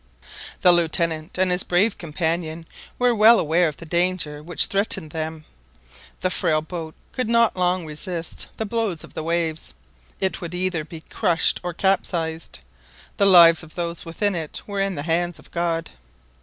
The Lieutenant and his brave companion were well aware of the danger which threatened them. The frail boat could not long resist the blows of the waves, it would either be crushed or capsized; the lives of those within it were in the hands of God.